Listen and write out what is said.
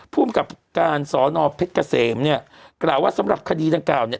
ภูมิกับการสอนอเพชรเกษมเนี่ยกล่าวว่าสำหรับคดีดังกล่าวเนี่ย